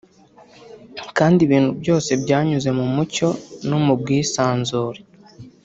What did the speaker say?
kandi ibintu byose byanyuze mu mucyo no mu bwisanzure